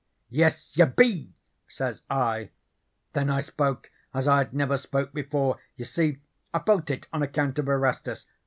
"'Yes, you BE!' says I. Then I spoke as I had never spoke before. You see, I felt it on account of Erastus.